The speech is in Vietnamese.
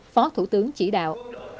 phó thủ tướng chỉ đạo